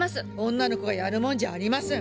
女の子がやるもんじゃありません。